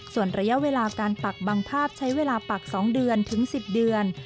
ส่วนระยะเวลาการปักบางภาพใช้เวลาปัก๒เดือนถึง๑๐เดือน